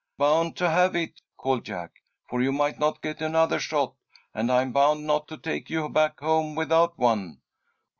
"Bound to have it!" called Jack, "for you might not get another shot, and I'm bound not to take you back home without one."